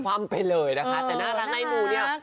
ความไปเลยนะคะแต่น่ารักในมูเนี่ย